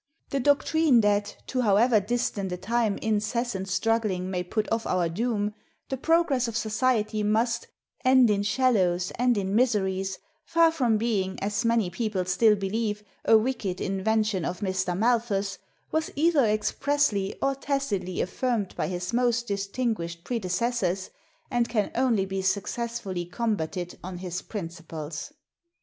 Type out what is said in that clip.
The doctrine that, to however distant a time incessant struggling may put off our doom, the progress of society must "end in shallows and in miseries," far from being, as many people still believe, a wicked invention of Mr. Malthus, was either expressly or tacitly affirmed by his most distinguished predecessors, and can only be successfully combated on his principles.